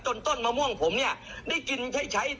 ต้นมะม่วงผมเนี่ยได้กินใช้